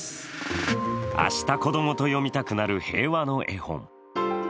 明日、子供と読みたくなる平和の絵本。